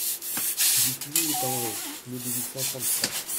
(Dupuy et Tenré, mille huit cent trente-trois.